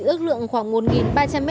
ước lượng khoảng một ba trăm linh m hai